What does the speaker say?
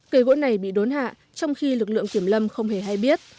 cây gỗ này bị đốn hạ trong khi lực lượng kiểm lâm không hề hay biết